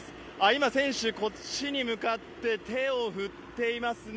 今、選手、こっちに向かって手を振っていますね。